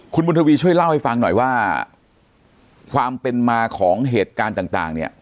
คุณบุญทวีช่วยเล่าให้ฟังหน่อยว่าความเป็นมาของเหตุการณ์ต่างเนี่ย